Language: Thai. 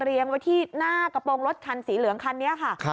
ไว้ที่หน้ากระโปรงรถคันสีเหลืองคันนี้ค่ะ